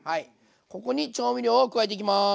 ここに調味料を加えていきます。